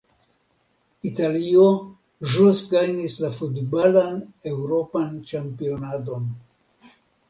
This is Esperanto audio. Italio ĵus gajnis la futbalan eŭropan ĉampionadon.